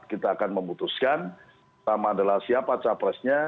kita akan memutuskan sama adalah siapa cawa presnya